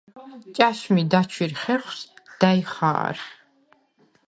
ჭა̈შმი დაჩუ̂ირ ხეხუ̂ს და̈ჲ ხა̄რ.